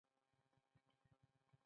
یو پر بل باندې میین وه